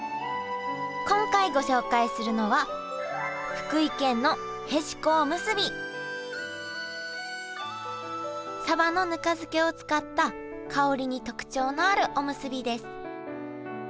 今回ご紹介するのはサバのぬか漬けを使った香りに特徴のあるおむすびです。